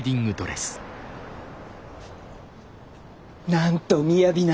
なんと雅な！